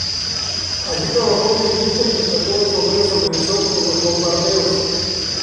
Allí trabajó en la industria y retrató a los obreros amenazados por los bombardeos.